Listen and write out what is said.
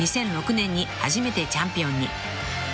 ２００６年に初めてチャンピオンに］